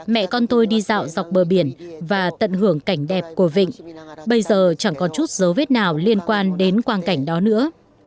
mẹ con tôi đi dạo dọc bờ biển và tận hưởng cảnh đẹp của vịnh bây giờ chẳng còn chút dấu vết nào liên quan đến quan cảnh đó nữa